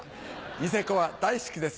ニセコは大好きです。